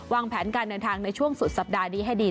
วางแผนการเดินทางในช่วงสุดสัปดาห์นี้ให้ดี